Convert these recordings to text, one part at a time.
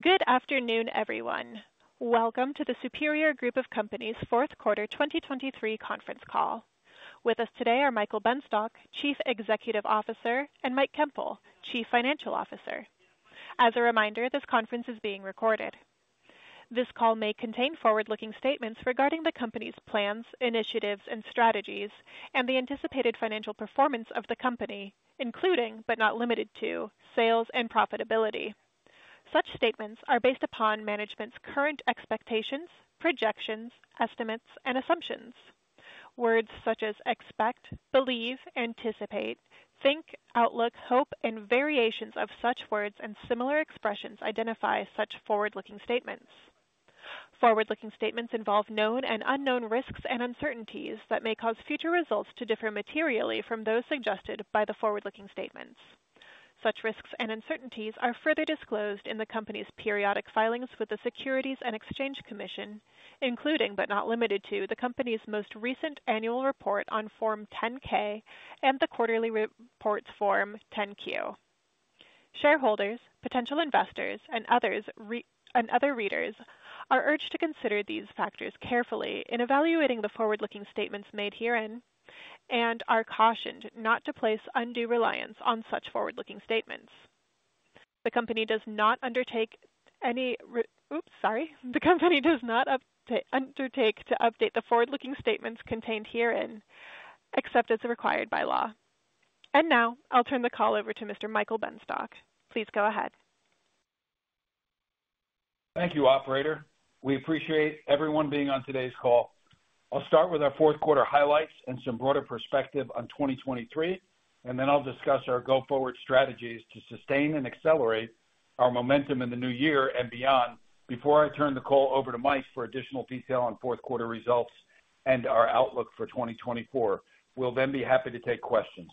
Good afternoon, everyone. Welcome to the Superior Group of Companies' fourth quarter 2023 conference call. With us today are Michael Benstock, Chief Executive Officer, and Mike Koempel, Chief Financial Officer. As a reminder, this conference is being recorded. This call may contain forward-looking statements regarding the company's plans, initiatives, and strategies, and the anticipated financial performance of the company, including but not limited to sales and profitability. Such statements are based upon management's current expectations, projections, estimates, and assumptions. Words such as expect, believe, anticipate, think, outlook, hope, and variations of such words and similar expressions identify such forward-looking statements. Forward-looking statements involve known and unknown risks and uncertainties that may cause future results to differ materially from those suggested by the forward-looking statements. Such risks and uncertainties are further disclosed in the company's periodic filings with the Securities and Exchange Commission, including but not limited to the company's most recent annual report on Form 10-K and the quarterly reports Form 10-Q. Shareholders, potential investors, and other readers are urged to consider these factors carefully in evaluating the forward-looking statements made herein and are cautioned not to place undue reliance on such forward-looking statements. The company does not undertake to update the forward-looking statements contained herein except as required by law. Now I'll turn the call over to Mr. Michael Benstock. Please go ahead. Thank you, Operator. We appreciate everyone being on today's call. I'll start with our fourth quarter highlights and some broader perspective on 2023, and then I'll discuss our go-forward strategies to sustain and accelerate our momentum in the new year and beyond before I turn the call over to Mike for additional detail on fourth quarter results and our outlook for 2024. We'll then be happy to take questions.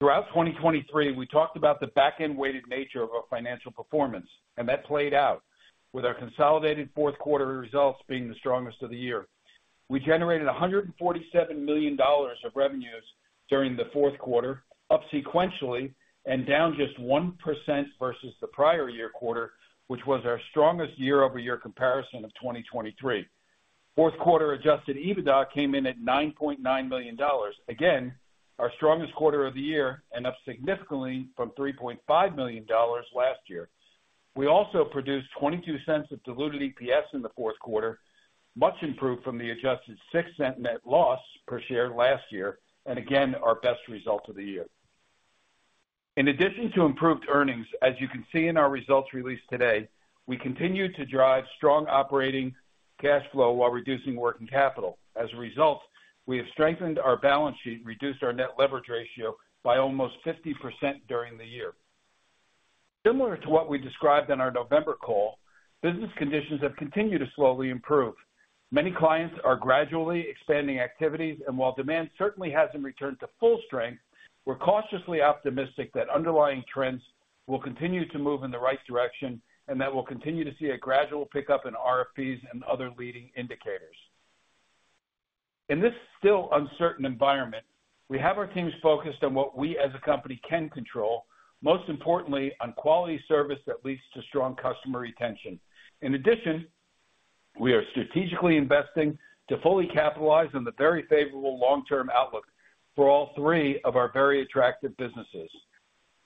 Throughout 2023, we talked about the back-end weighted nature of our financial performance, and that played out with our consolidated fourth quarter results being the strongest of the year. We generated $147 million of revenues during the fourth quarter, up sequentially and down just 1% versus the prior year quarter, which was our strongest year-over-year comparison of 2023. Fourth quarter adjusted EBITDA came in at $9.9 million, again our strongest quarter of the year and up significantly from $3.5 million last year. We also produced $0.22 of diluted EPS in the fourth quarter, much improved from the adjusted $0.06 net loss per share last year, and again our best result of the year. In addition to improved earnings, as you can see in our results released today, we continue to drive strong operating cash flow while reducing working capital. As a result, we have strengthened our balance sheet, reduced our net leverage ratio by almost 50% during the year. Similar to what we described in our November call, business conditions have continued to slowly improve. Many clients are gradually expanding activities, and while demand certainly hasn't returned to full strength, we're cautiously optimistic that underlying trends will continue to move in the right direction and that we'll continue to see a gradual pickup in RFPs and other leading indicators. In this still uncertain environment, we have our teams focused on what we as a company can control, most importantly on quality service that leads to strong customer retention. In addition, we are strategically investing to fully capitalize on the very favorable long-term outlook for all three of our very attractive businesses.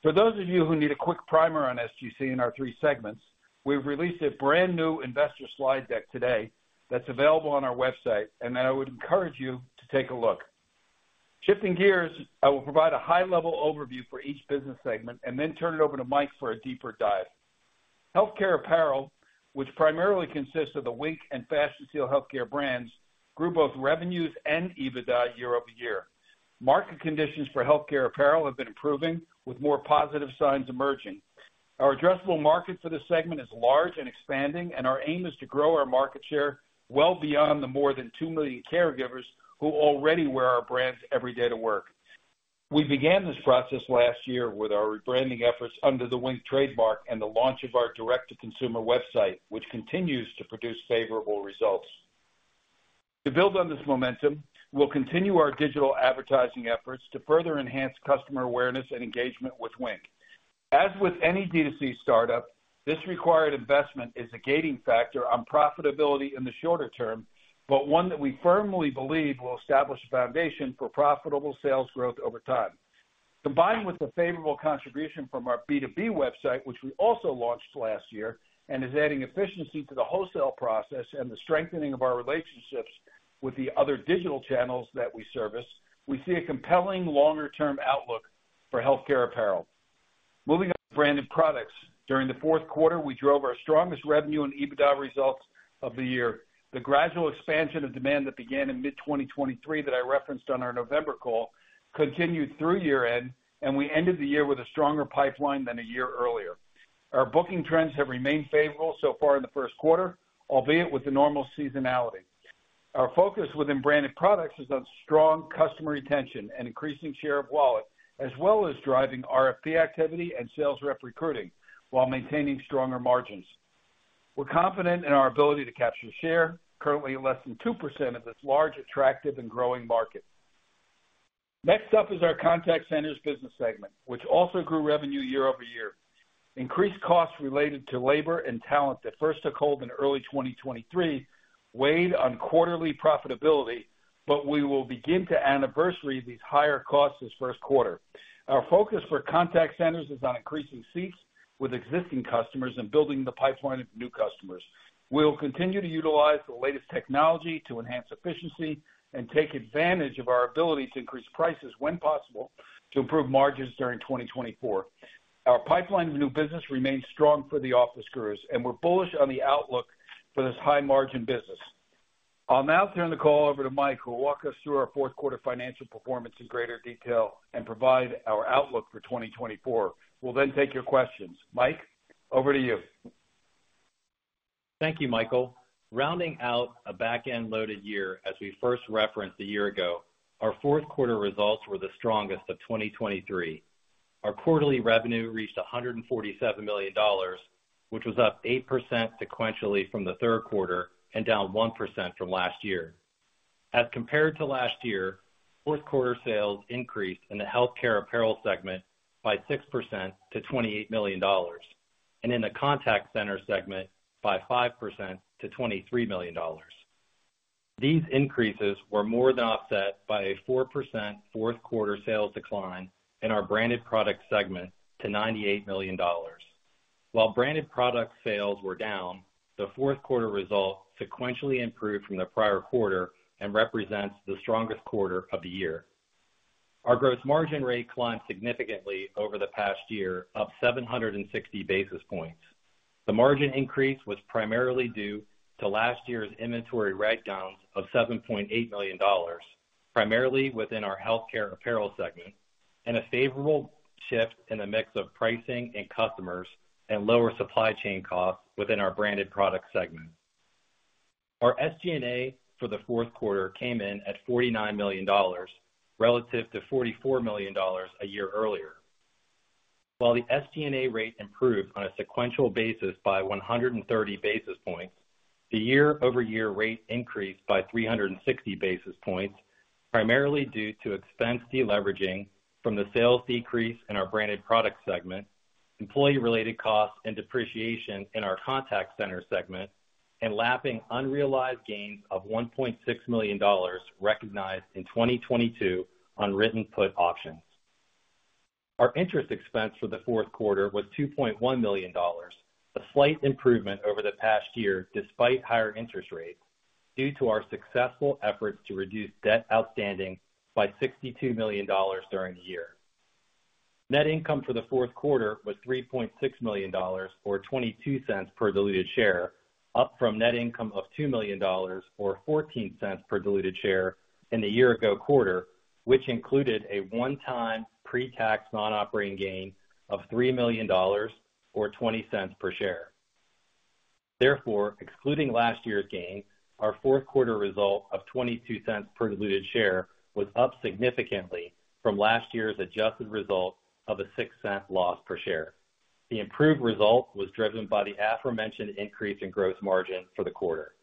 For those of you who need a quick primer on SGC and our three segments, we've released a brand new investor slide deck today that's available on our website, and then I would encourage you to take a look. Shifting gears, I will provide a high-level overview for each business segment and then turn it over to Mike for a deeper dive. Healthcare apparel, which primarily consists of the Wink and Fashion Seal Healthcare brands, grew both revenues and EBITDA year-over-year. Market conditions for healthcare apparel have been improving, with more positive signs emerging. Our addressable market for this segment is large and expanding, and our aim is to grow our market share well beyond the more than 2 million caregivers who already wear our brands every day to work. We began this process last year with our rebranding efforts under the Wink trademark and the launch of our direct-to-consumer website, which continues to produce favorable results. To build on this momentum, we'll continue our digital advertising efforts to further enhance customer awareness and engagement with Wink. As with any D2C startup, this required investment is a gating factor on profitability in the shorter term, but one that we firmly believe will establish a foundation for profitable sales growth over time. Combined with the favorable contribution from our B2B website, which we also launched last year and is adding efficiency to the wholesale process and the strengthening of our relationships with the other digital channels that we service, we see a compelling longer-term outlook for healthcare apparel. Moving on to branded products, during the fourth quarter we drove our strongest revenue and EBITDA results of the year. The gradual expansion of demand that began in mid-2023 that I referenced on our November call continued through year-end, and we ended the year with a stronger pipeline than a year earlier. Our booking trends have remained favorable so far in the first quarter, albeit with the normal seasonality. Our focus within branded products is on strong customer retention and increasing share of wallet, as well as driving RFP activity and sales rep recruiting while maintaining stronger margins. We're confident in our ability to capture share, currently less than 2% of this large, attractive, and growing market. Next up is our contact centers business segment, which also grew revenue year-over-year. Increased costs related to labor and talent that first took hold in early 2023 weighed on quarterly profitability, but we will begin to anniversary these higher costs this first quarter. Our focus for contact centers is on increasing seats with existing customers and building the pipeline of new customers. We'll continue to utilize the latest technology to enhance efficiency and take advantage of our ability to increase prices when possible to improve margins during 2024. Our pipeline of new business remains strong for the office growth, and we're bullish on the outlook for this high-margin business. I'll now turn the call over to Mike, who will walk us through our fourth quarter financial performance in greater detail and provide our outlook for 2024. We'll then take your questions. Mike, over to you. Thank you, Michael. Rounding out a back-end loaded year as we first referenced a year ago, our fourth quarter results were the strongest of 2023. Our quarterly revenue reached $147 million, which was up 8% sequentially from the third quarter and down 1% from last year. As compared to last year, fourth quarter sales increased in the healthcare apparel segment by 6% to $28 million, and in the contact center segment by 5% to $23 million. These increases were more than offset by a 4% fourth quarter sales decline in our branded products segment to $98 million. While branded products sales were down, the fourth quarter result sequentially improved from the prior quarter and represents the strongest quarter of the year. Our gross margin rate climbed significantly over the past year, up 760 basis points. The margin increase was primarily due to last year's inventory write-downs of $7.8 million, primarily within our healthcare apparel segment, and a favorable shift in the mix of pricing and customers and lower supply chain costs within our branded products segment. Our SG&A for the fourth quarter came in at $49 million relative to $44 million a year earlier. While the SG&A rate improved on a sequential basis by 130 basis points, the year-over-year rate increased by 360 basis points, primarily due to expense deleveraging from the sales decrease in our branded products segment, employee-related costs and depreciation in our contact center segment, and lapping unrealized gains of $1.6 million recognized in 2022 on written put options. Our interest expense for the fourth quarter was $2.1 million, a slight improvement over the past year despite higher interest rates due to our successful efforts to reduce debt outstanding by $62 million during the year. Net income for the fourth quarter was $3.6 million or $0.22 per diluted share, up from net income of $2 million or $0.14 per diluted share in the year-ago quarter, which included a one-time pre-tax non-operating gain of $3 million or $0.20 per share. Therefore, excluding last year's gain, our fourth quarter result of $0.22 per diluted share was up significantly from last year's adjusted result of a $0.06 loss per share. The improved result was driven by the aforementioned increase in gross margin for the quarter.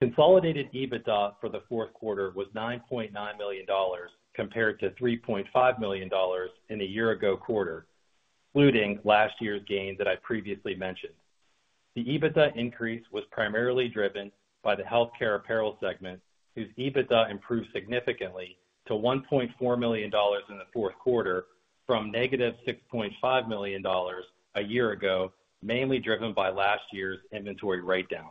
Consolidated EBITDA for the fourth quarter was $9.9 million compared to $3.5 million in the year-ago quarter, including last year's gain that I previously mentioned. The EBITDA increase was primarily driven by the healthcare apparel segment, whose EBITDA improved significantly to $1.4 million in the fourth quarter from -$6.5 million a year ago, mainly driven by last year's inventory write-downs.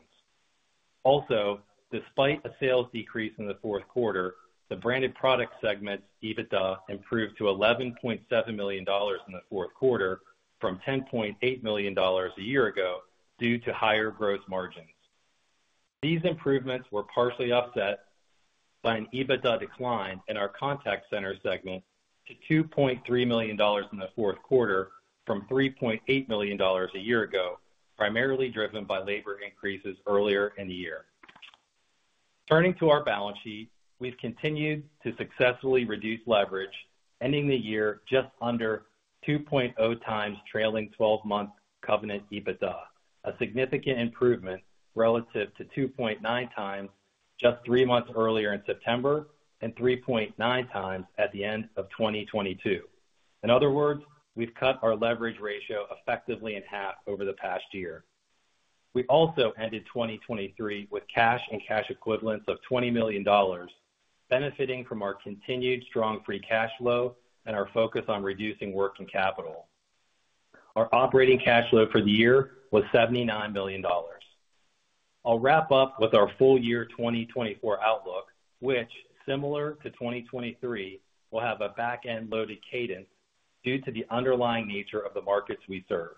Also, despite a sales decrease in the fourth quarter, the branded products segment's EBITDA improved to $11.7 million in the fourth quarter from $10.8 million a year ago due to higher gross margins. These improvements were partially offset by an EBITDA decline in our contact centers segment to $2.3 million in the fourth quarter from $3.8 million a year ago, primarily driven by labor increases earlier in the year. Turning to our balance sheet, we've continued to successfully reduce leverage, ending the year just under 2.0x trailing 12 month covenant EBITDA, a significant improvement relative to 2.9 times just three months earlier in September and 3.9 times at the end of 2022. In other words, we've cut our leverage ratio effectively in half over the past year. We also ended 2023 with cash and cash equivalents of $20 million, benefiting from our continued strong free cash flow and our focus on reducing working capital. Our operating cash flow for the year was $79 million. I'll wrap up with our full-year 2024 outlook, which, similar to 2023, will have a back-end loaded cadence due to the underlying nature of the markets we serve.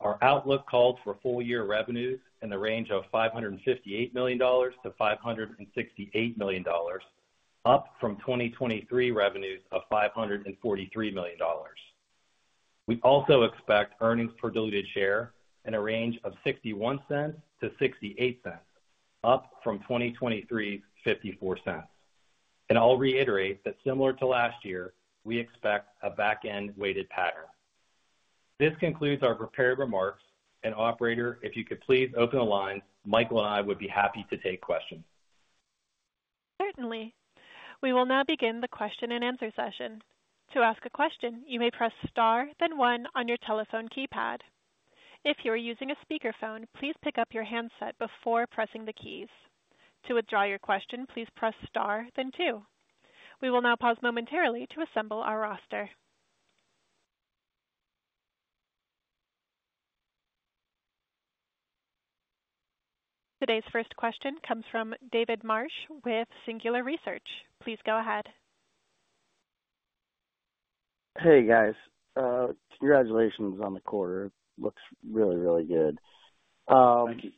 Our outlook calls for full-year revenues in the range of $558 million-$568 million, up from 2023 revenues of $543 million. We also expect earnings per diluted share in a range of $0.61-$0.68, up from 2023's $0.54. And I'll reiterate that, similar to last year, we expect a back-end weighted pattern. This concludes our prepared remarks. Operator, if you could please open the lines, Michael and I would be happy to take questions. Certainly. We will now begin the question-and-answer session. To ask a question, you may press star, then one, on your telephone keypad. If you are using a speakerphone, please pick up your handset before pressing the keys. To withdraw your question, please press star, then two. We will now pause momentarily to assemble our roster. Today's first question comes from David Marsh with Singular Research. Please go ahead. Hey, guys. Congratulations on the quarter. Looks really, really good. Thank you.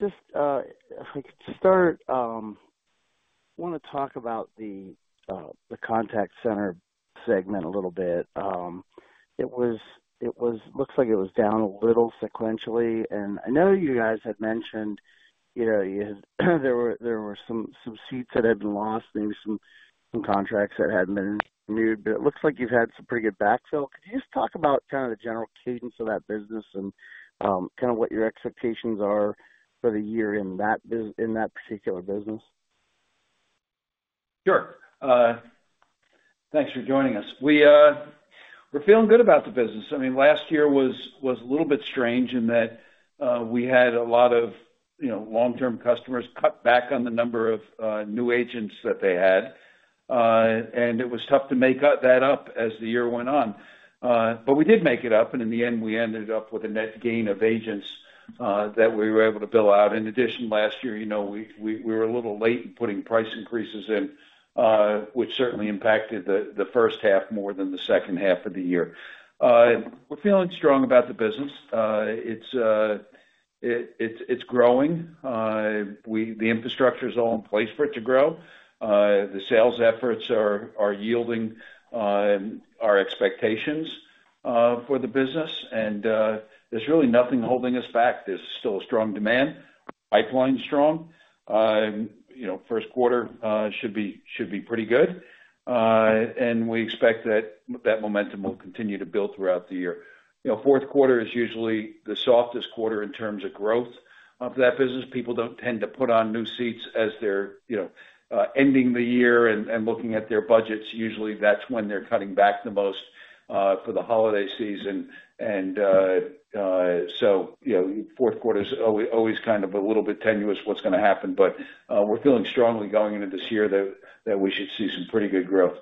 Just, if I could start, I want to talk about the contact center segment a little bit. It looks like it was down a little sequentially. And I know you guys had mentioned, you know, there were some seats that had been lost, maybe some contracts that hadn't been renewed. But it looks like you've had some pretty good backfill. Could you just talk about kind of the general cadence of that business and, kind of what your expectations are for the year in that biz in that particular business? Sure. Thanks for joining us. We're feeling good about the business. I mean, last year was a little bit strange in that we had a lot of, you know, long-term customers cut back on the number of new agents that they had. It was tough to make that up as the year went on. But we did make it up. And in the end, we ended up with a net gain of agents that we were able to bill out. In addition, last year, you know, we were a little late in putting price increases in, which certainly impacted the first half more than the second half of the year. We're feeling strong about the business. It's growing. The infrastructure's all in place for it to grow. The sales efforts are yielding our expectations for the business. There's really nothing holding us back. There's still a strong demand, pipeline strong. You know, first quarter should be pretty good. And we expect that momentum will continue to build throughout the year. You know, fourth quarter is usually the softest quarter in terms of growth of that business. People don't tend to put on new seats as they're, you know, ending the year and looking at their budgets. Usually, that's when they're cutting back the most, for the holiday season. And, so, you know, fourth quarter's always kind of a little bit tenuous what's going to happen. But, we're feeling strongly going into this year that we should see some pretty good growth.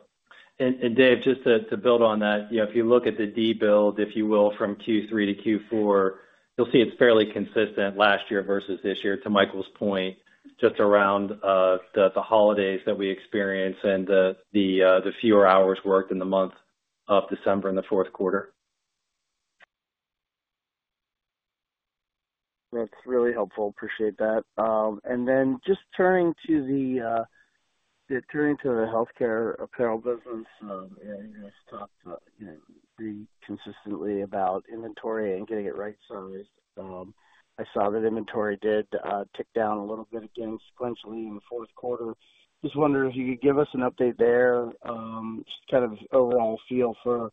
Dave, just to build on that, you know, if you look at the debuild, if you will, from Q3 to Q4, you'll see it's fairly consistent last year versus this year, to Michael's point, just around the holidays that we experienced and the fewer hours worked in the month of December in the fourth quarter. That's really helpful. Appreciate that. And then just turning to the healthcare apparel business, you know, you guys talked, you know, pretty consistently about inventory and getting it right-sized. I saw that inventory did tick down a little bit again sequentially in the fourth quarter. Just wonder if you could give us an update there, just kind of overall feel for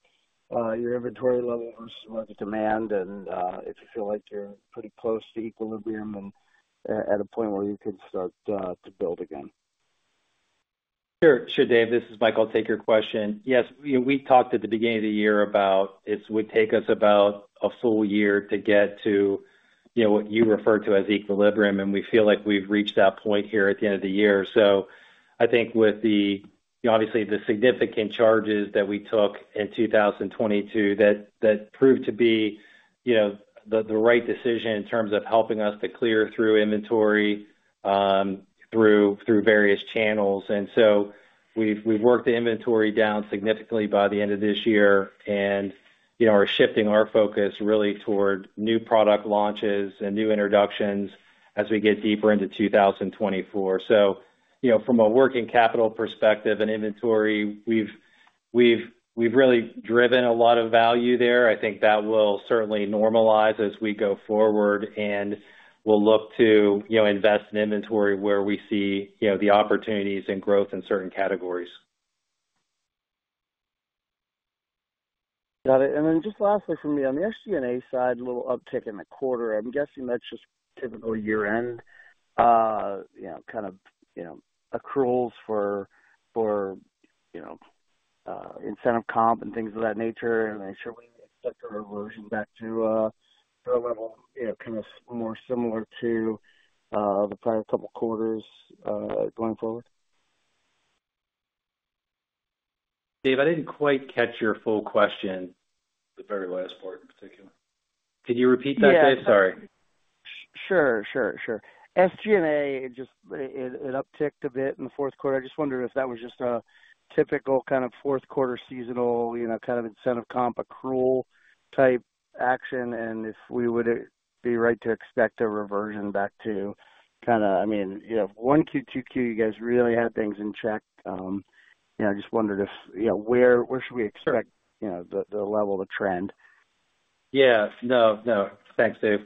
your inventory level versus market demand and if you feel like you're pretty close to equilibrium and at a point where you can start to build again. Sure, sure, Dave. This is Michael. I'll take your question. Yes, you know, we talked at the beginning of the year about it would take us about a full year to get to, you know, what you refer to as equilibrium. And we feel like we've reached that point here at the end of the year. So I think with the you know, obviously, the significant charges that we took in 2022 that proved to be, you know, the right decision in terms of helping us to clear through inventory through various channels. And so we've worked the inventory down significantly by the end of this year. And, you know, we're shifting our focus really toward new product launches and new introductions as we get deeper into 2024. You know, from a working capital perspective and inventory, we've really driven a lot of value there. I think that will certainly normalize as we go forward. We'll look to, you know, invest in inventory where we see, you know, the opportunities and growth in certain categories. Got it. And then just lastly from me, on the SG&A side, a little uptick in the quarter. I'm guessing that's just typical year-end, you know, kind of, you know, accruals for, you know, incentive comp and things of that nature. And I'm not sure we expect a reversion back to a level, you know, kind of more similar to the prior couple quarters, going forward. Dave, I didn't quite catch your full question, the very last part in particular. Could you repeat that, Dave? Sorry. Yeah. Sure, sure, sure. SG&A, it just it, it upticked a bit in the fourth quarter. I just wondered if that was just a typical kind of fourth-quarter seasonal, you know, kind of incentive comp accrual type action and if we would be right to expect a reversion back to kind of, I mean, you know, if one Q2Q you guys really had things in check, you know, I just wondered if, you know, where, where should we expect, you know, the, the level, the trend? Yeah. No, no. Thanks, Dave.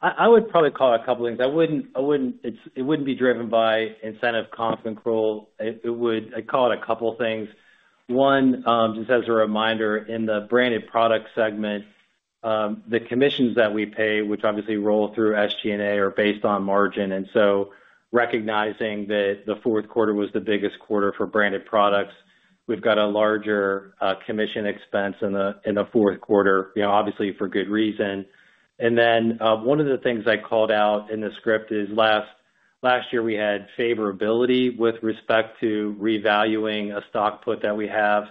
I would probably call it a couple things. I wouldn't—it's, it wouldn't be driven by incentive comp and accrual. It would—I'd call it a couple things. One, just as a reminder, in the branded products segment, the commissions that we pay, which obviously roll through SG&A, are based on margin. And so recognizing that the fourth quarter was the biggest quarter for branded products, we've got a larger commission expense in the fourth quarter, you know, obviously for good reason. And then, one of the things I called out in the script is last year, we had favorability with respect to revaluing a stock put that we have.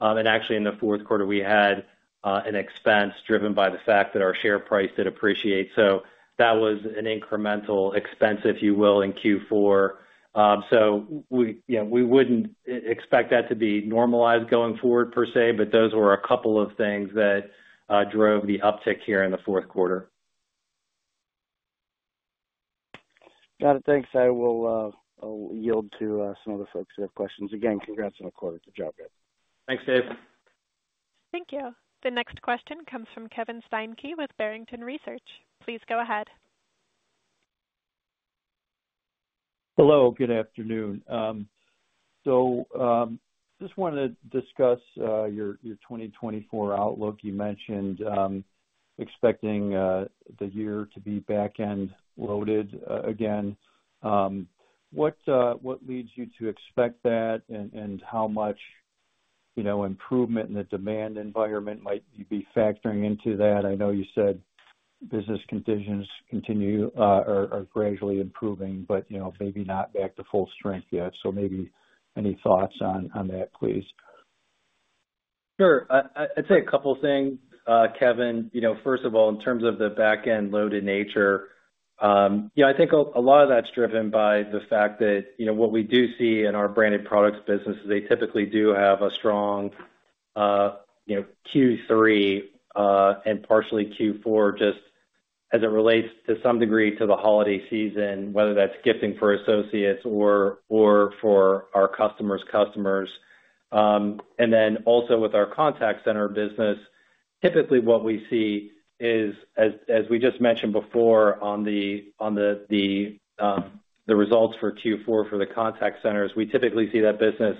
And actually, in the fourth quarter, we had an expense driven by the fact that our share price did appreciate. So that was an incremental expense, if you will, in Q4. So, you know, we wouldn't expect that to be normalized going forward, per se. But those were a couple of things that drove the uptick here in the fourth quarter. Got it. Thanks. I will, I'll yield to, some other folks who have questions. Again, congrats on the quarter. Good job, Dave. Thanks, Dave. Thank you. The next question comes from Kevin Steinke with Barrington Research. Please go ahead. Hello. Good afternoon. So, just wanted to discuss your 2024 outlook. You mentioned expecting the year to be back-end loaded again. What leads you to expect that, and how much, you know, improvement in the demand environment might you be factoring into that? I know you said business conditions continue are gradually improving, but you know, maybe not back to full strength yet. So maybe any thoughts on that, please. Sure. I'd say a couple things, Kevin. You know, first of all, in terms of the back-end loaded nature, you know, I think a lot of that's driven by the fact that, you know, what we do see in our branded products business is they typically do have a strong, you know, Q3, and partially Q4 just as it relates to some degree to the holiday season, whether that's gifting for associates or for our customers' customers. And then also with our contact center business, typically, what we see is, as we just mentioned before, on the results for Q4 for the contact centers, we typically see that business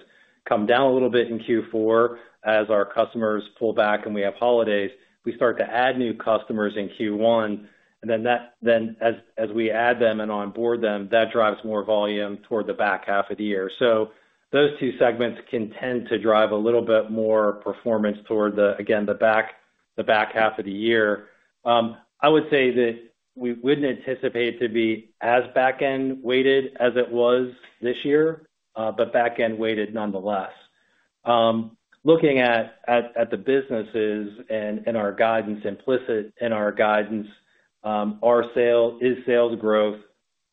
come down a little bit in Q4 as our customers pull back and we have holidays. We start to add new customers in Q1. And then as we add them and onboard them, that drives more volume toward the back half of the year. So those two segments can tend to drive a little bit more performance toward the back half of the year again. I would say that we wouldn't anticipate it to be as back-end weighted as it was this year, but back-end weighted nonetheless. Looking at the businesses and our guidance, implicit in our guidance, our sales growth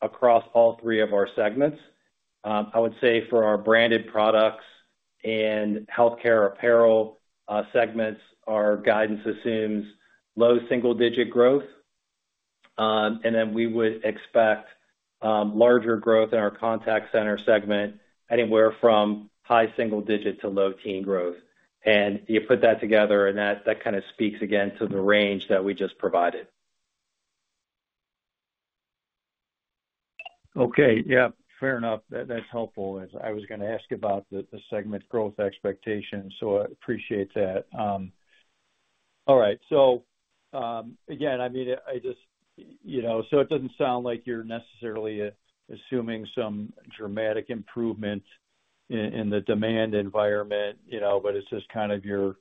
across all three of our segments. I would say for our branded products and healthcare apparel segments, our guidance assumes low single-digit growth. And then we would expect larger growth in our contact center segment anywhere from high single-digit to low-teens growth. And you put that together, and that kind of speaks again to the range that we just provided. Okay. Yeah. Fair enough. That, that's helpful. As I was going to ask about the segment growth expectations. So I appreciate that. All right. So, again, I mean, I just you know, so it doesn't sound like you're necessarily assuming some dramatic improvement in the demand environment, you know, but it's just kind of your,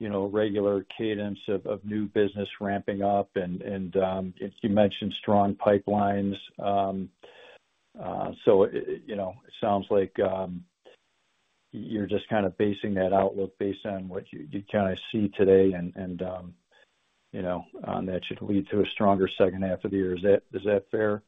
you know, regular cadence of new business ramping up. And you mentioned strong pipelines. So it you know, it sounds like you're just kind of basing that outlook based on what you kind of see today and, and you know, that should lead to a stronger second half of the year. Is that fair?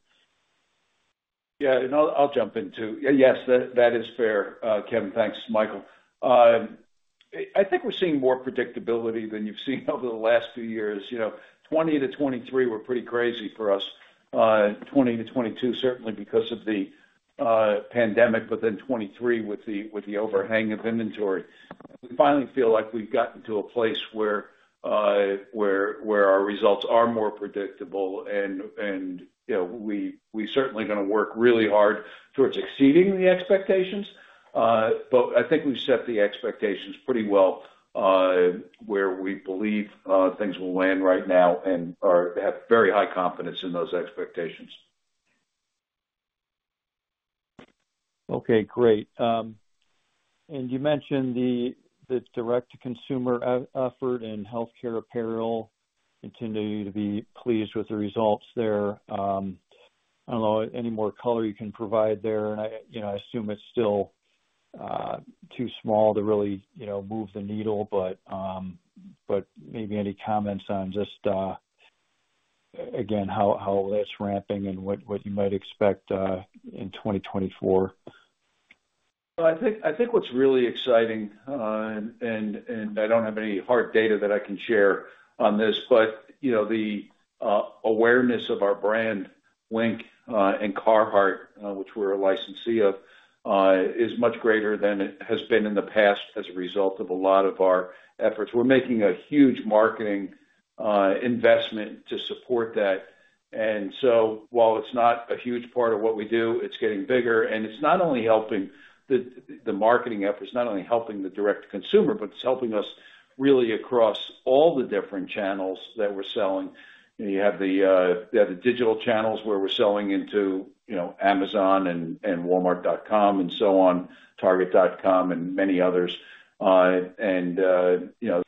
Yeah. I'll jump into yeah, yes. That is fair, Kevin. Thanks, Michael. I think we're seeing more predictability than you've seen over the last few years. You know, 2020-2023 were pretty crazy for us, 2020-2022, certainly because of the pandemic. But then 2023 with the overhang of inventory, we finally feel like we've gotten to a place where our results are more predictable. And, you know, we certainly going to work really hard toward exceeding the expectations. But I think we've set the expectations pretty well, where we believe things will land right now and we have very high confidence in those expectations. Okay. Great. And you mentioned the direct-to-consumer effort in healthcare apparel. Continue to be pleased with the results there. I don't know any more color you can provide there. And I, you know, I assume it's still too small to really, you know, move the needle. But maybe any comments on just again, how that's ramping and what you might expect in 2024? Well, I think what's really exciting, and I don't have any hard data that I can share on this, but you know, the awareness of our brand, Wink, and Carhartt, which we're a licensee of, is much greater than it has been in the past as a result of a lot of our efforts. We're making a huge marketing investment to support that. And so while it's not a huge part of what we do, it's getting bigger. And it's not only helping the marketing effort, it's not only helping the direct-to-consumer, but it's helping us really across all the different channels that we're selling. You know, you have the digital channels where we're selling into, you know, Amazon and Walmart.com and so on, Target.com and many others. You know,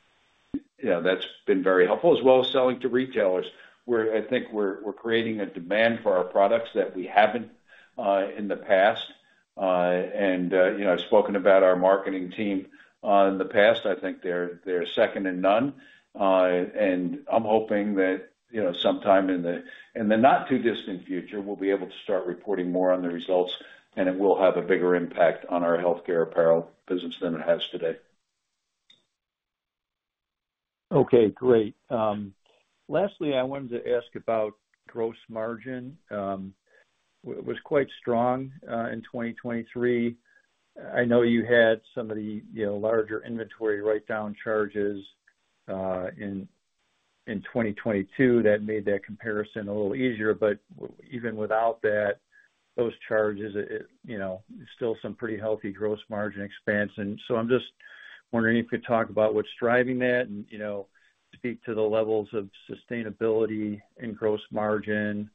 yeah, that's been very helpful, as well as selling to retailers. We're, I think, we're creating a demand for our products that we haven't in the past. You know, I've spoken about our marketing team in the past. I think they're second to none. I'm hoping that, you know, sometime in the not-too-distant future, we'll be able to start reporting more on the results. And it will have a bigger impact on our healthcare apparel business than it has today. Okay. Great. Lastly, I wanted to ask about gross margin. Was quite strong in 2023. I know you had some of the, you know, larger inventory write-down charges in 2022. That made that comparison a little easier. But even without that, those charges, it, you know, still some pretty healthy gross margin expansion. So I'm just wondering if you could talk about what's driving that and, you know, speak to the levels of sustainability in gross margin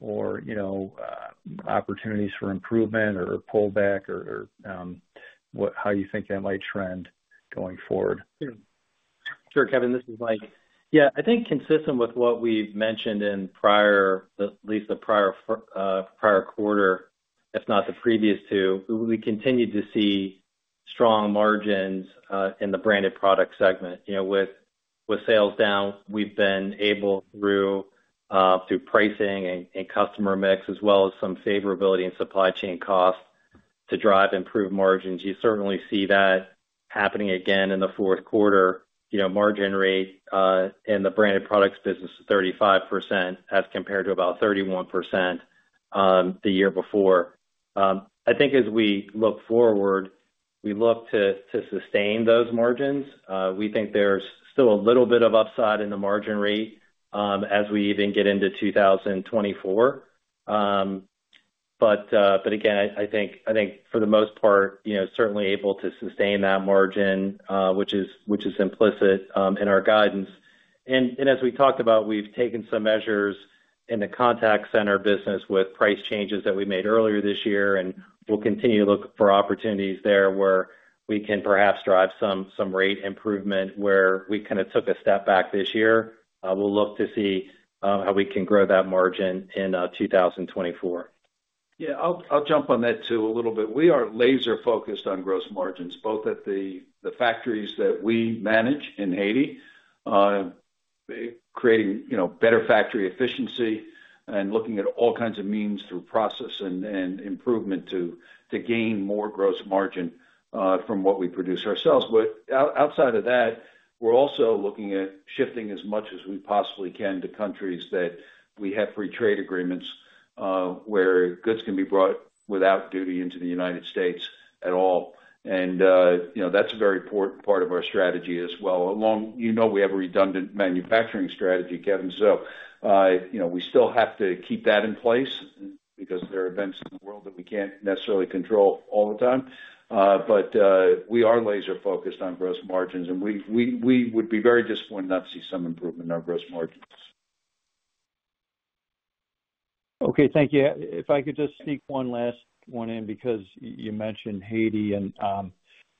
or, you know, opportunities for improvement or pullback or what how you think that might trend going forward. Sure. Sure, Kevin. This is Mike. Yeah. I think consistent with what we've mentioned in the prior, at least the prior quarter, if not the previous two, we continued to see strong margins in the branded products segment. You know, with sales down, we've been able through pricing and customer mix, as well as some favorability in supply chain cost, to drive improved margins. You certainly see that happening again in the fourth quarter. You know, margin rate in the branded products business is 35% as compared to about 31%, the year before. I think as we look forward, we look to sustain those margins. We think there's still a little bit of upside in the margin rate, as we even get into 2024. But again, I think for the most part, you know, certainly able to sustain that margin, which is implicit in our guidance. And as we talked about, we've taken some measures in the contact center business with price changes that we made earlier this year. And we'll continue to look for opportunities there where we can perhaps drive some rate improvement, where we kind of took a step back this year. We'll look to see how we can grow that margin in 2024. Yeah. I'll, I'll jump on that too a little bit. We are laser-focused on gross margins, both at the factories that we manage in Haiti, creating, you know, better factory efficiency and looking at all kinds of means through process and improvement to gain more gross margin from what we produce ourselves. But outside of that, we're also looking at shifting as much as we possibly can to countries that we have free trade agreements, where goods can be brought without duty into the United States at all. And, you know, that's a very important part of our strategy as well, along, you know, we have a redundant manufacturing strategy, Kevin. So, you know, we still have to keep that in place because there are events in the world that we can't necessarily control all the time. But we are laser-focused on gross margins. We would be very disappointed not to see some improvement in our gross margins. Okay. Thank you. If I could just sneak one last one in because you mentioned Haiti. And,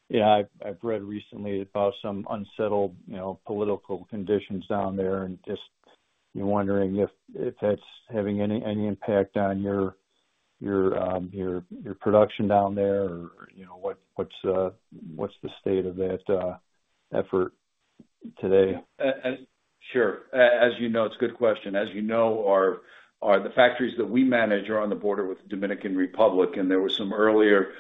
yeah, I've read recently about some unsettled, you know, political conditions down there. And just, you know, wondering if that's having any impact on your production down there or, you know, what's the state of that effort today? As you know, it's a good question. As you know, our factories that we manage are on the border with the Dominican Republic. And there was some earlier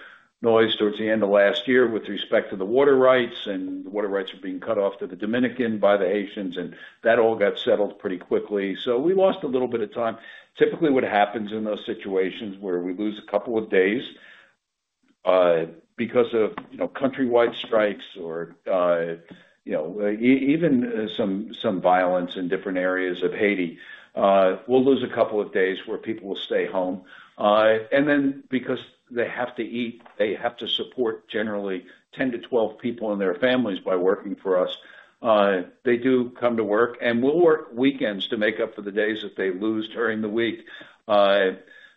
noise towards the end of last year with respect to the water rights. And the water rights were being cut off to the Dominican by the Haitians. And that all got settled pretty quickly. So we lost a little bit of time. Typically, what happens in those situations where we lose a couple of days, because of, you know, countrywide strikes or, you know, even some violence in different areas of Haiti, we'll lose a couple of days where people will stay home. And then because they have to eat, they have to support generally 10-12 people and their families by working for us, they do come to work. We'll work weekends to make up for the days that they lose during the week.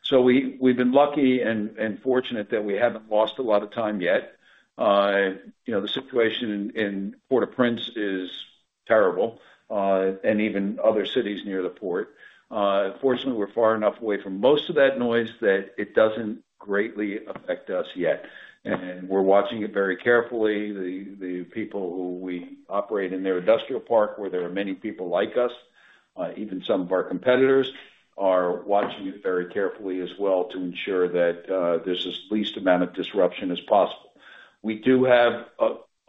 So we, we've been lucky and, and fortunate that we haven't lost a lot of time yet. You know, the situation in, in Port-au-Prince is terrible, and even other cities near the port. Fortunately, we're far enough away from most of that noise that it doesn't greatly affect us yet. We're watching it very carefully. The people who we operate in their industrial park, where there are many people like us, even some of our competitors, are watching it very carefully as well to ensure that there's as least amount of disruption as possible. We do have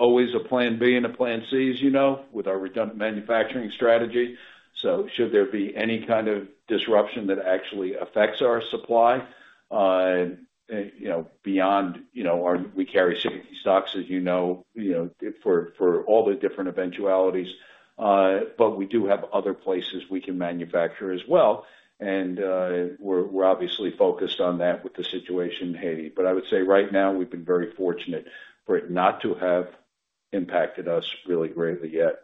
always a plan B and a plan C, as you know, with our redundant manufacturing strategy. So should there be any kind of disruption that actually affects our supply, you know, beyond, you know, we carry 60 stocks, as you know, you know, for all the different eventualities. But we do have other places we can manufacture as well. And we're obviously focused on that with the situation in Haiti. But I would say right now, we've been very fortunate for it not to have impacted us really greatly yet.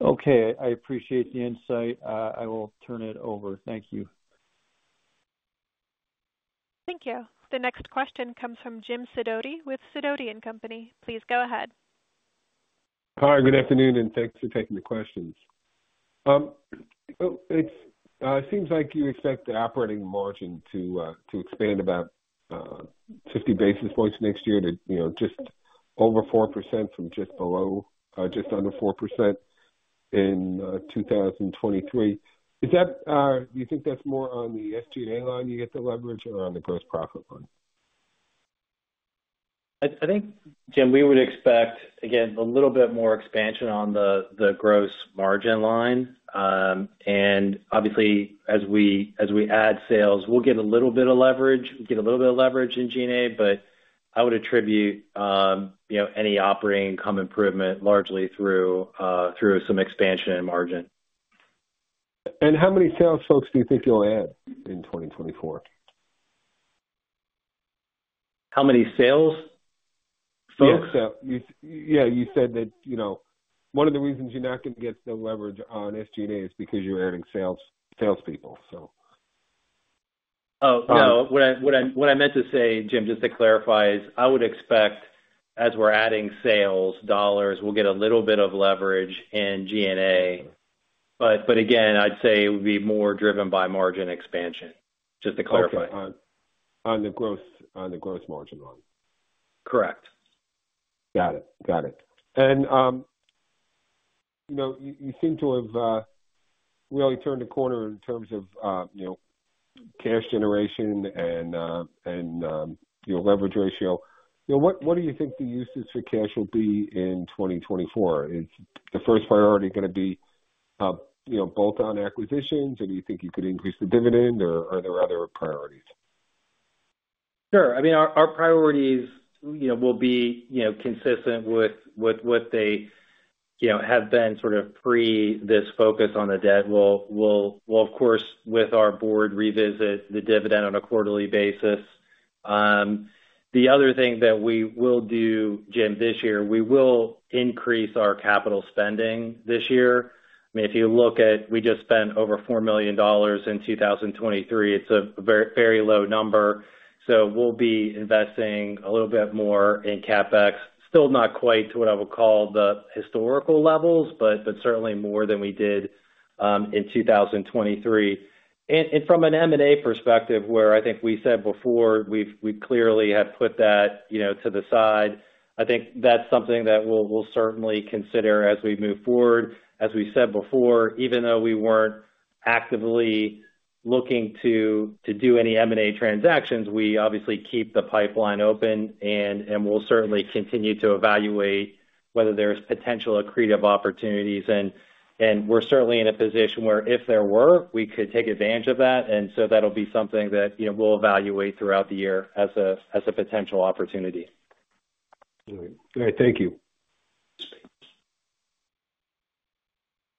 Okay. I appreciate the insight. I will turn it over. Thank you. Thank you. The next question comes from Jim Sidoti with Sidoti & Company. Please go ahead. Hi. Good afternoon. And thanks for taking the questions. Oh, it seems like you expect the operating margin to expand about 50 basis points next year to, you know, just over 4% from just under 4% in 2023. Is that, do you think that's more on the SG&A line you get to leverage or on the gross profit line? I think, Jim, we would expect, again, a little bit more expansion on the gross margin line. And obviously, as we add sales, we'll get a little bit of leverage. We'll get a little bit of leverage in G&A. But I would attribute, you know, any operating income improvement largely through some expansion in margin. How many sales folks do you think you'll add in 2024? How many sales folks? Yeah. So yeah. You said that, you know, one of the reasons you're not going to get the leverage on SG&A is because you're adding salespeople, so. Oh, no. What I meant to say, Jim, just to clarify is, I would expect, as we're adding sales dollars, we'll get a little bit of leverage in G&A. But again, I'd say it would be more driven by margin expansion, just to clarify. Okay. On the gross margin line? Correct. Got it. Got it. And, you know, you, you seem to have really turned the corner in terms of, you know, cash generation and, and, your leverage ratio. You know, what, what do you think the usage for cash will be in 2024? Is the first priority going to be, you know, both on acquisitions? Or do you think you could increase the dividend? Or are there other priorities? Sure. I mean, our priorities, you know, will be, you know, consistent with what they, you know, have been sort of pre this focus on the debt. We'll, of course, with our board, revisit the dividend on a quarterly basis. The other thing that we will do, Jim, this year, we will increase our capital spending this year. I mean, if you look at we just spent over $4 million in 2023. It's a very, very low number. So we'll be investing a little bit more in CapEx, still not quite to what I would call the historical levels, but certainly more than we did in 2023. And from an M&A perspective, where I think we said before, we've clearly had put that, you know, to the side. I think that's something that we'll certainly consider as we move forward. As we said before, even though we weren't actively looking to do any M&A transactions, we obviously keep the pipeline open. We'll certainly continue to evaluate whether there's potential accretive opportunities. We're certainly in a position where, if there were, we could take advantage of that. And so that'll be something that, you know, we'll evaluate throughout the year as a potential opportunity. All right. All right. Thank you.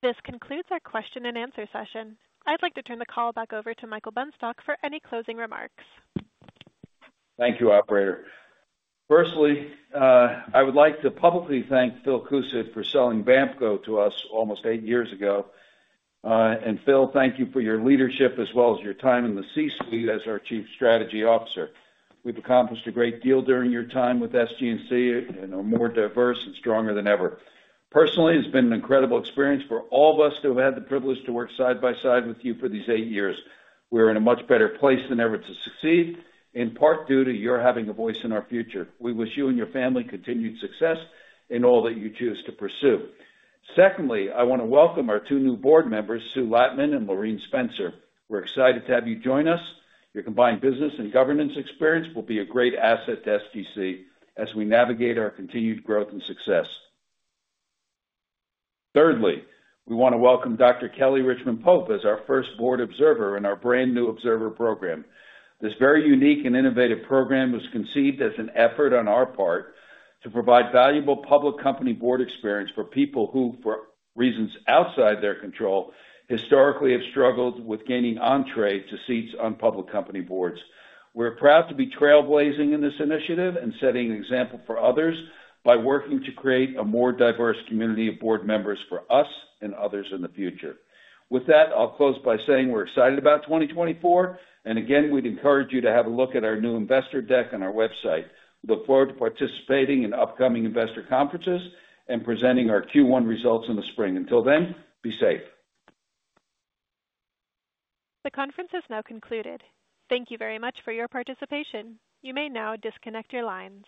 This concludes our question and answer session. I'd like to turn the call back over to Michael Benstock for any closing remarks. Thank you, operator. First, I would like to publicly thank Phil Koosed for selling BAMKO to us almost eight years ago. And Phil, thank you for your leadership, as well as your time in the C-suite as our Chief Strategy Officer. We've accomplished a great deal during your time with SGC, you know, more diverse and stronger than ever. Personally, it's been an incredible experience for all of us to have had the privilege to work side by side with you for these eight years. We're in a much better place than ever to succeed, in part due to your having a voice in our future. We wish you and your family continued success in all that you choose to pursue. Second, I want to welcome our two new board members, Sue Lattmann and Loreen Spencer. We're excited to have you join us. Your combined business and governance experience will be a great asset to SGC as we navigate our continued growth and success. Thirdly, we want to welcome Dr. Kelly Richmond Pope as our first board observer in our brand new observer program. This very unique and innovative program was conceived as an effort on our part to provide valuable public company board experience for people who, for reasons outside their control, historically have struggled with gaining entree to seats on public company boards. We're proud to be trailblazing in this initiative and setting an example for others by working to create a more diverse community of board members for us and others in the future. With that, I'll close by saying we're excited about 2024. And again, we'd encourage you to have a look at our new investor deck on our website. We look forward to participating in upcoming investor conferences and presenting our Q1 results in the spring. Until then, be safe. The conference has now concluded. Thank you very much for your participation. You may now disconnect your lines.